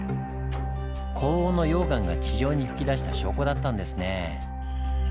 高温の溶岩が地上に噴き出した証拠だったんですねぇ。